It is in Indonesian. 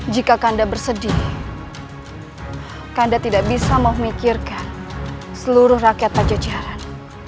jika kanda bersedih kanda tidak bisa memikirkan seluruh rakyat pajacaran